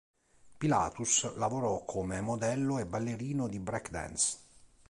Pilatus lavorò come modello e ballerino di break dance.